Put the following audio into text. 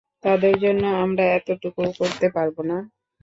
তাদের জন্য আমরা এতটুকুও করতে পারবো না?